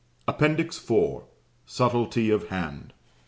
APPENDIX IV. SUBTLETY OF HAND.